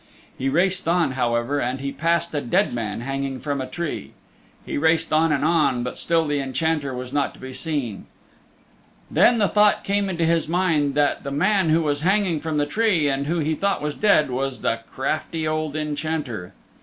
He raced on, however, and he passed a dead man hanging from a tree. He raced on and on, but still the Enchanter was not to be seen. Then the thought came into his mind that the man who was hanging from the tree and who he thought was dead was the crafty old Enchanter.